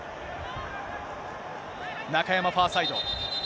中山、ファーサイド。